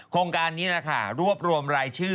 โครงการนี้รวบรวมรายชื่อ